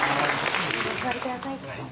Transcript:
どうぞお座りください